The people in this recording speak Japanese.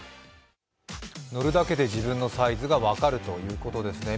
乗るだけで自分のサイズが分かるということですね。